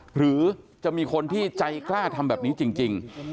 หรือจะมีคนที่ใจกล้าทำแบบนี้จริง